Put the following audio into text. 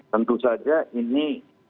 tentu saja ini